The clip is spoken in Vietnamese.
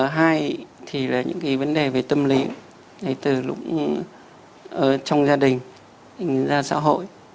hai thì là những cái vấn đề về tâm lý từ lúc trong gia đình ra xã hội